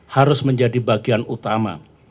harus menjadi bagian utama